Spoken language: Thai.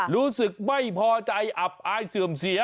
รู้สึกไม่พอใจอับอายเสื่อมเสีย